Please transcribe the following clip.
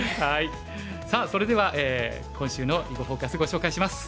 さあそれでは今週の「囲碁フォーカス」ご紹介します。